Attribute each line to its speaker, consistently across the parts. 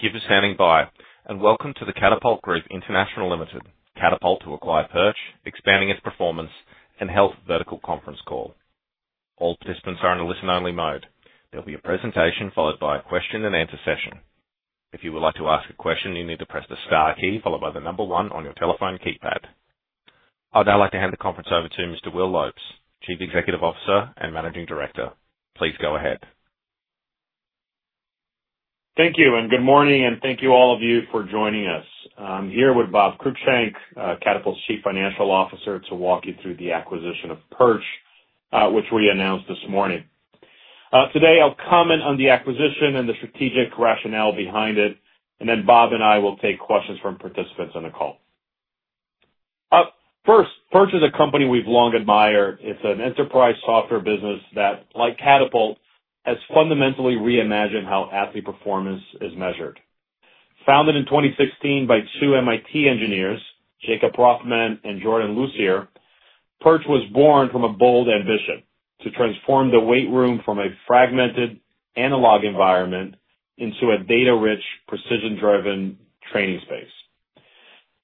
Speaker 1: Thank you for standing by, and welcome to the Catapult Group International Limited, Catapult to acquire Perch, expanding its performance and health vertical conference call. All participants are in a listen-only mode. There will be a presentation followed by a question-and-answer session. If you would like to ask a question, you need to press the star key followed by the number one on your telephone keypad. I would now like to hand the conference over to Mr. Will Lopes, Chief Executive Officer and Managing Director. Please go ahead.
Speaker 2: Thank you, and good morning, and thank you all of you for joining us. I'm here with Bob Cruickshank, Catapult's Chief Financial Officer, to walk you through the acquisition of Perch, which we announced this morning. Today, I'll comment on the acquisition and the strategic rationale behind it, and then Bob and I will take questions from participants on the call. First, Perch is a company we've long admired. It's an enterprise software business that, like Catapult, has fundamentally reimagined how athlete performance is measured. Founded in 2016 by two MIT engineers, Jacob Rothman and Jordan Lussier, Perch was born from a bold ambition to transform the weight room from a fragmented analog environment into a data-rich, precision-driven training space.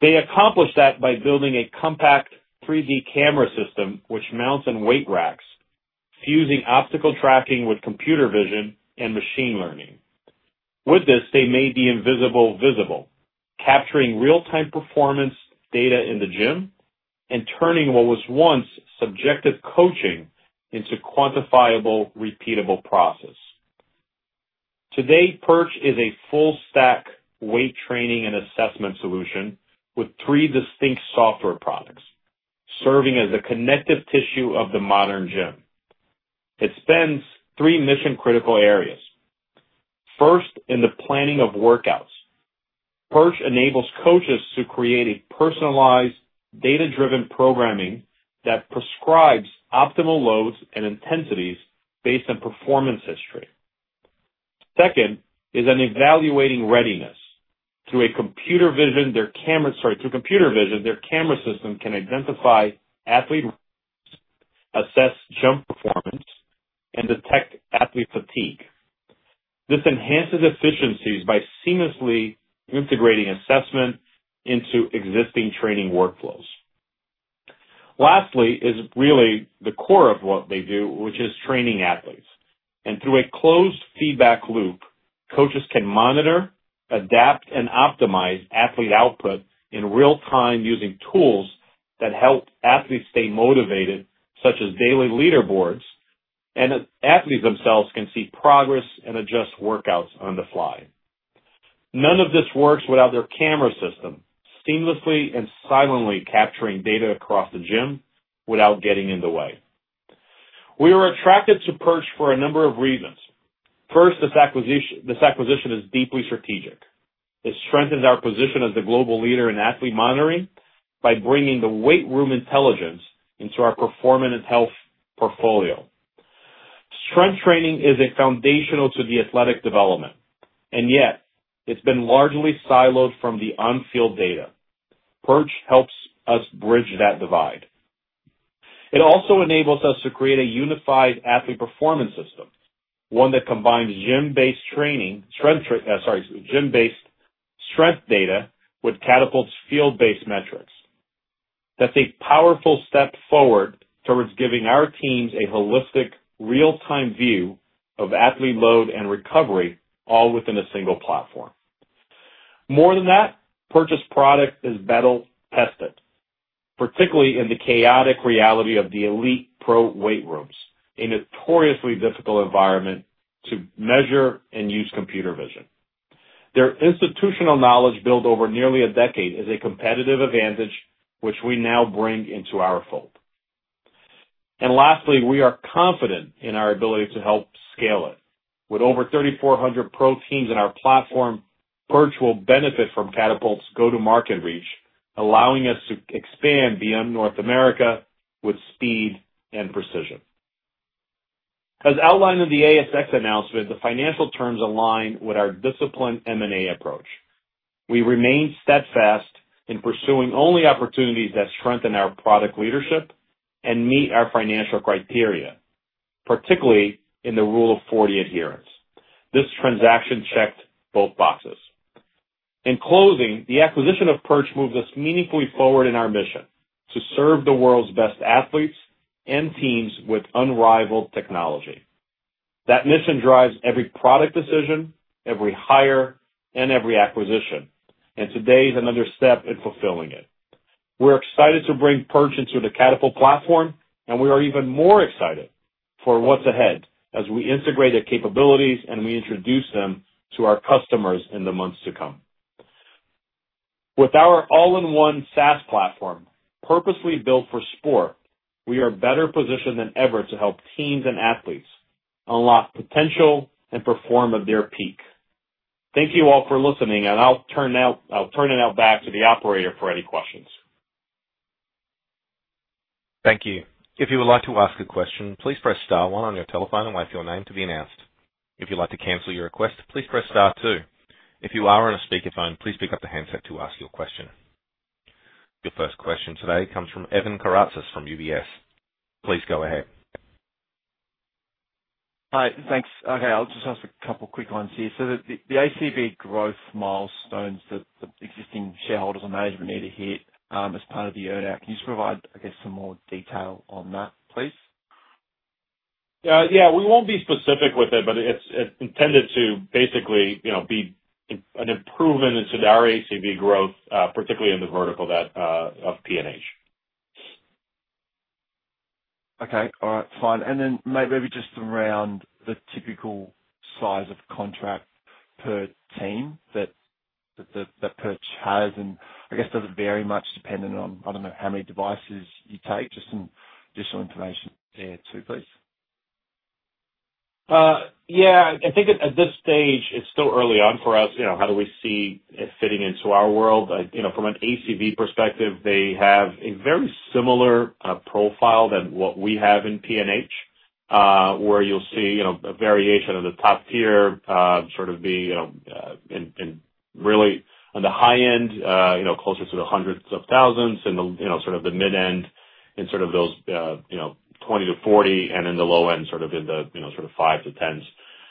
Speaker 2: They accomplished that by building a compact 3D camera system which mounts in weight racks, fusing optical tracking with computer vision and machine learning. With this, they made the invisible visible, capturing real-time performance data in the gym and turning what was once subjective coaching into a quantifiable, repeatable process. Today, Perch is a full-stack weight training and assessment solution with three distinct software products, serving as the connective tissue of the modern gym. It spans three mission-critical areas. First, in the planning of workouts, Perch enables coaches to create a personalized, data-driven programming that prescribes optimal loads and intensities based on performance history. Second, is in evaluating readiness. Through computer vision, their camera system can identify athlete routes, assess jump performance, and detect athlete fatigue. This enhances efficiencies by seamlessly integrating assessment into existing training workflows. Lastly, is really the core of what they do, which is training athletes. Through a closed feedback loop, coaches can monitor, adapt, and optimize athlete output in real time using tools that help athletes stay motivated, such as daily leaderboards, and athletes themselves can see progress and adjust workouts on the fly. None of this works without their camera system, seamlessly and silently capturing data across the gym without getting in the way. We were attracted to Perch for a number of reasons. First, this acquisition is deeply strategic. It strengthens our position as the global leader in athlete monitoring by bringing the weight room intelligence into our performance health portfolio. Strength training is foundational to the athletic development, and yet it has been largely siloed from the on-field data. Perch helps us bridge that divide. It also enables us to create a unified athlete performance system, one that combines gym-based strength data with Catapult's field-based metrics. That's a powerful step forward towards giving our teams a holistic, real-time view of athlete load and recovery, all within a single platform. More than that, Perch's product is battle-tested, particularly in the chaotic reality of the elite pro weight rooms, a notoriously difficult environment to measure and use computer vision. Their institutional knowledge built over nearly a decade is a competitive advantage, which we now bring into our fold. Lastly, we are confident in our ability to help scale it. With over 3,400 pro teams in our platform, Perch will benefit from Catapult's go-to-market reach, allowing us to expand beyond North America with speed and precision. As outlined in the ASX announcement, the financial terms align with our disciplined M&A approach. We remain steadfast in pursuing only opportunities that strengthen our product leadership and meet our financial criteria, particularly in the Rule of 40 adherence. This transaction checked both boxes. In closing, the acquisition of Perch moves us meaningfully forward in our mission to serve the world's best athletes and teams with unrivaled technology. That mission drives every product decision, every hire, and every acquisition, and today is another step in fulfilling it. We're excited to bring Perch into the Catapult platform, and we are even more excited for what's ahead as we integrate their capabilities and we introduce them to our customers in the months to come. With our all-in-one SaaS platform, purposely built for sport, we are better positioned than ever to help teams and athletes unlock potential and perform at their peak. Thank you all for listening, and I'll turn it back to the operator for any questions.
Speaker 1: Thank you. If you would like to ask a question, please press star one on your telephone and wait for your name to be announced. If you'd like to cancel your request, please press star two. If you are on a speakerphone, please pick up the handset to ask your question. Your first question today comes from Evan Karatzas from UBS. Please go ahead.
Speaker 3: Hi, thanks. Okay, I'll just ask a couple of quick ones here. The ACV growth milestones that existing shareholders and management need to hit as part of the earnout, can you just provide, I guess, some more detail on that, please?
Speaker 2: Yeah, we won't be specific with it, but it's intended to basically be an improvement into our ACV growth, particularly in the vertical of P&H.
Speaker 3: Okay, all right, fine. Maybe just around the typical size of contract per team that Perch has, and I guess does it vary much depending on, I do not know, how many devices you take? Just some additional information there too, please.
Speaker 2: Yeah, I think at this stage, it's still early on for us. How do we see it fitting into our world? From an ACV perspective, they have a very similar profile than what we have in P&H, where you'll see a variation of the top tier sort of be in really on the high end, closer to the hundreds of thousands, and sort of the mid-end in sort of those 20-40, and in the low end sort of in the sort of 5-10s.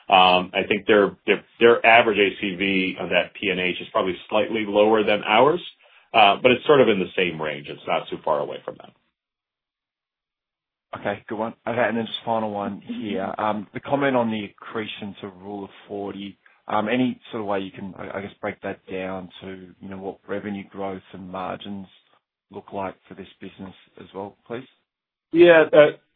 Speaker 2: I think their average ACV of that P&H is probably slightly lower than ours, but it's sort of in the same range. It's not too far away from that.
Speaker 3: Okay, good one. Okay, and then just final one here. The comment on the accretion to Rule of 40, any sort of way you can, I guess, break that down to what revenue growth and margins look like for this business as well, please?
Speaker 2: Yeah,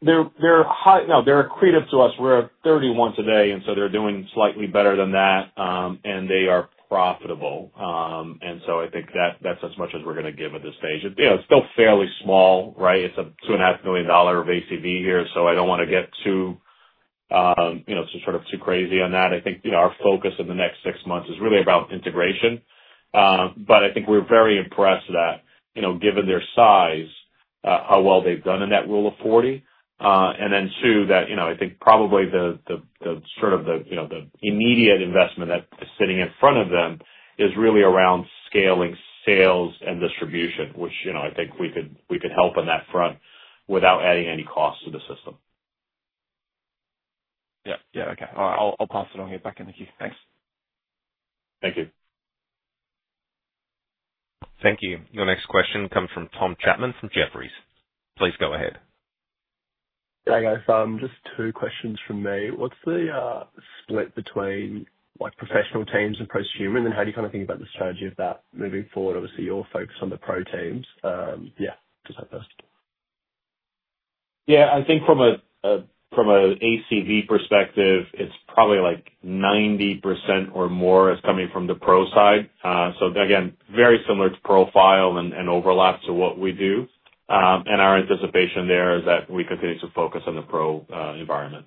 Speaker 2: they're accretive to us. We're at 30 once a day, and so they're doing slightly better than that, and they are profitable. I think that's as much as we're going to give at this stage. It's still fairly small, right? It's a $2.5 million of ACV here, so I don't want to get too sort of too crazy on that. I think our focus in the next six months is really about integration. I think we're very impressed that, given their size, how well they've done in that Rule of 40. Then two, I think probably the sort of the immediate investment that is sitting in front of them is really around scaling sales and distribution, which I think we could help on that front without adding any cost to the system.
Speaker 3: Yeah, okay. All right, I'll pass it on here back in the queue. Thanks.
Speaker 2: Thank you.
Speaker 1: Thank you. Your next question comes from Tom Chapman from Jefferies. Please go ahead.
Speaker 4: Hi guys. Just two questions from me. What's the split between professional teams and post-human, and how do you kind of think about the strategy of that moving forward? Obviously, you're focused on the pro teams. Yeah, just that first.
Speaker 2: Yeah, I think from an ACV perspective, it's probably like 90% or more is coming from the pro side. Again, very similar to profile and overlap to what we do. Our anticipation there is that we continue to focus on the pro environment.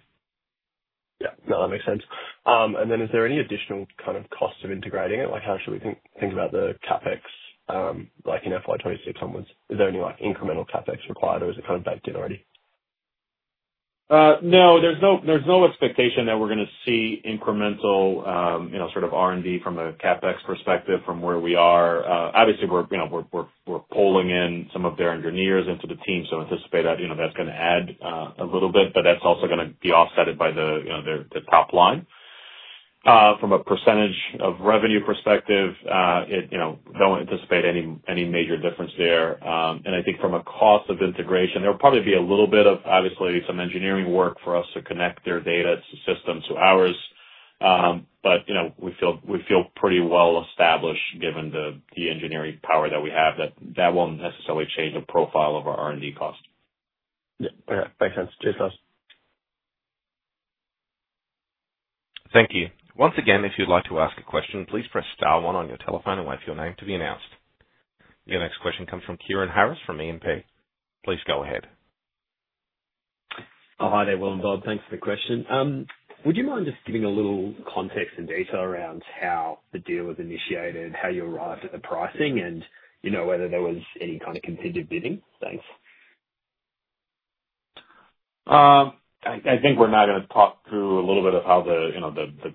Speaker 4: Yeah, no, that makes sense. Is there any additional kind of cost of integrating it? How should we think about the CapEx in FY2026 onwards? Is there any incremental CapEx required, or is it kind of baked in already?
Speaker 2: No, there's no expectation that we're going to see incremental sort of R&D from a CapEx perspective from where we are. Obviously, we're pulling in some of their engineers into the team, so anticipate that that's going to add a little bit, but that's also going to be offset by the top line. From a percentage of revenue perspective, don't anticipate any major difference there. I think from a cost of integration, there'll probably be a little bit of, obviously, some engineering work for us to connect their data system to ours, but we feel pretty well established given the engineering power that we have. That won't necessarily change the profile of our R&D cost.
Speaker 4: Yeah, okay, makes sense. JSOS.
Speaker 1: Thank you. Once again, if you'd like to ask a question, please press star one on your telephone and wait for your name to be announced. Your next question comes from Kieran Harris from E&P. Please go ahead.
Speaker 5: Oh, hi there, Will and Bob. Thanks for the question. Would you mind just giving a little context and data around how the deal was initiated, how you arrived at the pricing, and whether there was any kind of contingent bidding? Thanks.
Speaker 2: I think we're not going to talk through a little bit of how the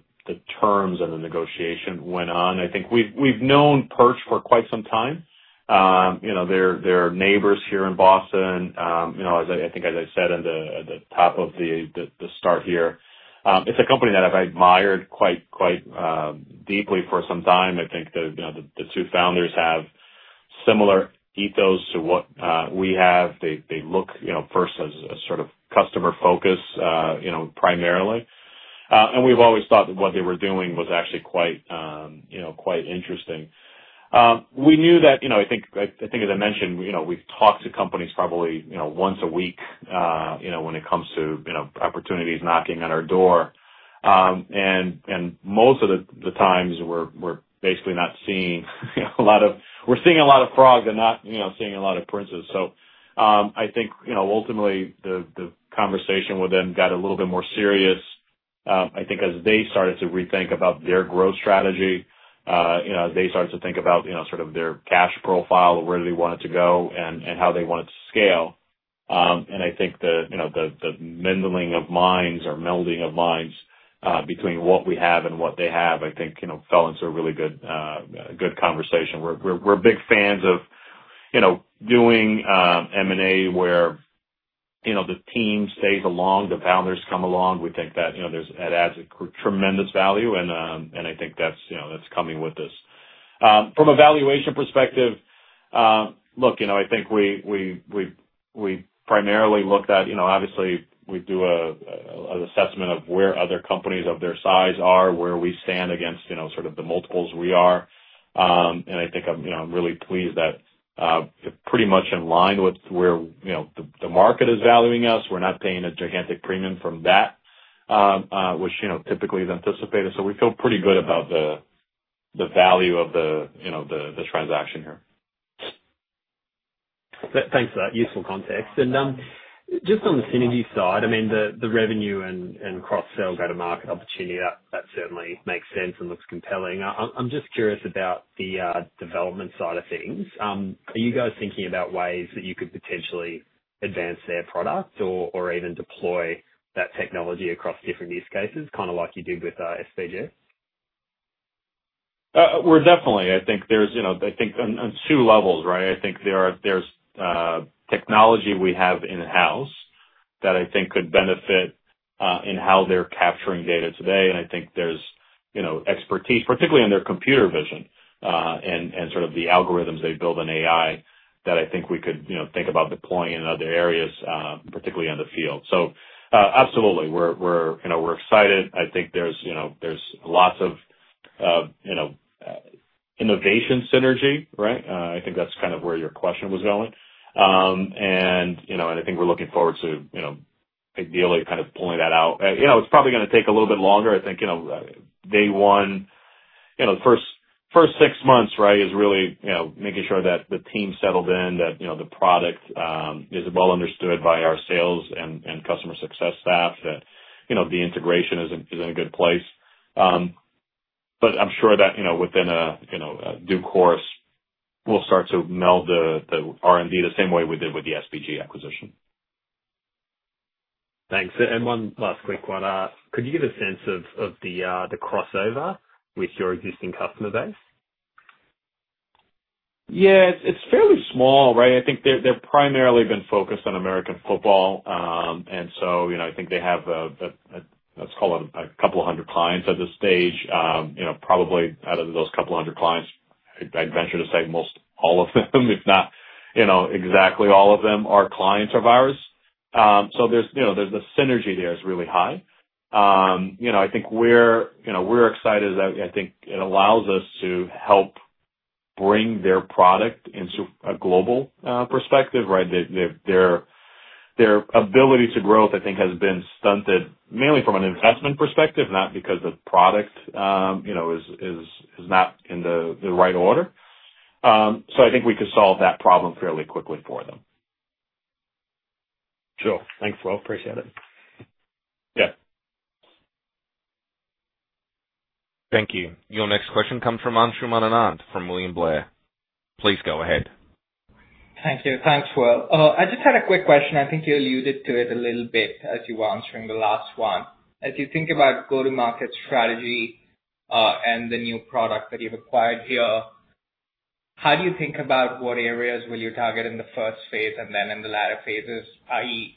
Speaker 2: terms and the negotiation went on. I think we've known Perch for quite some time. They're neighbors here in Boston, I think, as I said at the top of the start here. It's a company that I've admired quite deeply for some time. I think the two founders have similar ethos to what we have. They look first as sort of customer-focused primarily. We've always thought that what they were doing was actually quite interesting. We knew that, I think, as I mentioned, we've talked to companies probably once a week when it comes to opportunities knocking on our door. Most of the times, we're basically not seeing a lot of, we're seeing a lot of frogs and not seeing a lot of princes. I think ultimately, the conversation with them got a little bit more serious, I think, as they started to rethink about their growth strategy, as they started to think about sort of their cash profile, where they wanted to go, and how they wanted to scale. I think the mingling of minds or melding of minds between what we have and what they have, I think, fell into a really good conversation. We're big fans of doing M&A where the team stays along, the founders come along. We think that adds a tremendous value, and I think that's coming with this. From a valuation perspective, look, I think we primarily looked at, obviously, we do an assessment of where other companies of their size are, where we stand against sort of the multiples we are. I think I'm really pleased that pretty much in line with where the market is valuing us. We're not paying a gigantic premium from that, which typically is anticipated. We feel pretty good about the value of the transaction here.
Speaker 5: Thanks for that useful context. Just on the synergy side, I mean, the revenue and cross-sale go to market opportunity, that certainly makes sense and looks compelling. I'm just curious about the development side of things. Are you guys thinking about ways that you could potentially advance their product or even deploy that technology across different use cases, kind of like you did with SVG?
Speaker 2: We're definitely, I think there's, I think, on two levels, right? I think there's technology we have in-house that I think could benefit in how they're capturing data today. I think there's expertise, particularly in their computer vision and sort of the algorithms they build in AI that I think we could think about deploying in other areas, particularly in the field. Absolutely, we're excited. I think there's lots of innovation synergy, right? I think that's kind of where your question was going. I think we're looking forward to ideally kind of pulling that out. It's probably going to take a little bit longer. I think day one, the first six months, right, is really making sure that the team settled in, that the product is well understood by our sales and customer success staff, that the integration is in a good place. I'm sure that within due course, we'll start to meld the R&D the same way we did with the SVG acquisition.
Speaker 5: Thanks. And one last quick one. Could you give a sense of the crossover with your existing customer base?
Speaker 2: Yeah, it's fairly small, right? I think they've primarily been focused on American football. I think they have, let's call it, a couple of hundred clients at this stage. Probably out of those couple of hundred clients, I'd venture to say most all of them, if not exactly all of them, are clients of ours. The synergy there is really high. I think we're excited that it allows us to help bring their product into a global perspective, right? Their ability to grow, I think, has been stunted mainly from an investment perspective, not because the product is not in the right order. I think we could solve that problem fairly quickly for them.
Speaker 5: Sure. Thanks, Will. Appreciate it.
Speaker 2: Yeah.
Speaker 1: Thank you. Your next question comes from Anshuman Anand from William Blair. Please go ahead.
Speaker 6: Thank you. Thanks, Will. I just had a quick question. I think you alluded to it a little bit as you were answering the last one. As you think about go-to-market strategy and the new product that you've acquired here, how do you think about what areas will you target in the first phase and then in the latter phases, i.e.,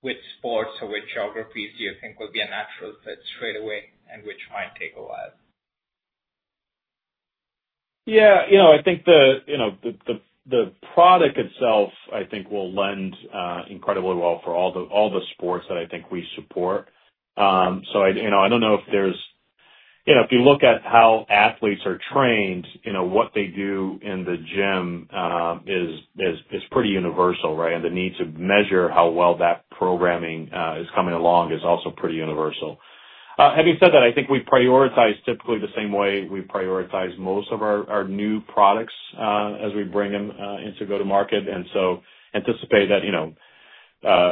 Speaker 6: which sports or which geographies do you think will be a natural fit straight away and which might take a while?
Speaker 2: Yeah, I think the product itself, I think, will lend incredibly well for all the sports that I think we support. I don't know if there's, if you look at how athletes are trained, what they do in the gym is pretty universal, right? The need to measure how well that programming is coming along is also pretty universal. Having said that, I think we prioritize typically the same way we prioritize most of our new products as we bring them into go-to-market. Anticipate that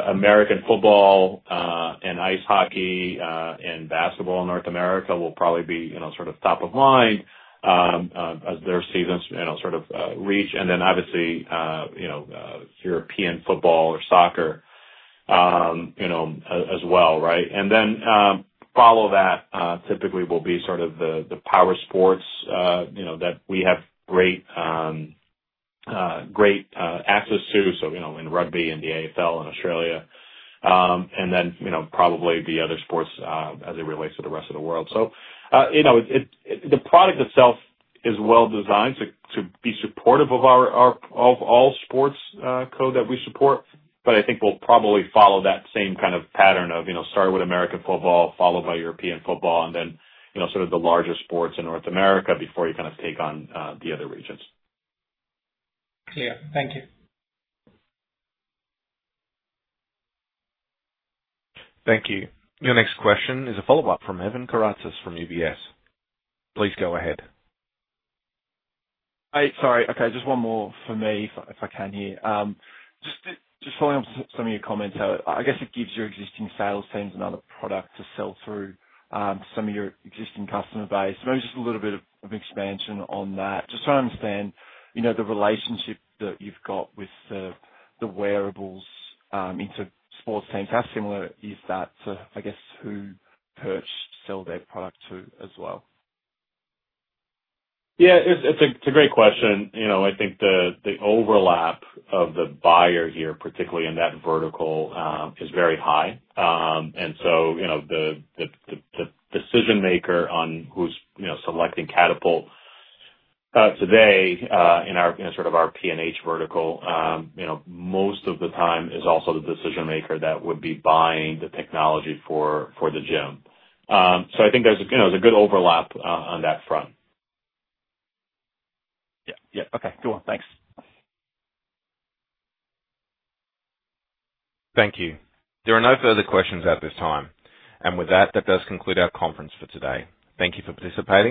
Speaker 2: American football and ice hockey and basketball in North America will probably be sort of top of mind as their seasons sort of reach. Obviously, European football or soccer as well, right? Following that typically will be sort of the power sports that we have great access to, so in rugby, in the AFL, in Australia. The other sports as it relates to the rest of the world, the product itself is well designed to be supportive of all sports code that we support, but I think we'll probably follow that same kind of pattern of start with American football, followed by European football, and then sort of the larger sports in North America before you kind of take on the other regions.
Speaker 6: Clear. Thank you.
Speaker 1: Thank you. Your next question is a follow-up from Evan Karatzas from UBS. Please go ahead.
Speaker 3: Hey, sorry. Okay, just one more for me, if I can here. Just following up on some of your comments, I guess it gives your existing sales teams another product to sell through to some of your existing customer base. Maybe just a little bit of expansion on that. Just trying to understand the relationship that you've got with the wearables into sports teams that are similar. Is that, I guess, who Perch sells their product to as well?
Speaker 2: Yeah, it's a great question. I think the overlap of the buyer here, particularly in that vertical, is very high. The decision maker on who's selecting Catapult today in sort of our P&H vertical most of the time is also the decision maker that would be buying the technology for the gym. I think there's a good overlap on that front.
Speaker 3: Yeah, yeah. Okay, cool. Thanks.
Speaker 1: Thank you. There are no further questions at this time. That does conclude our conference for today. Thank you for participating.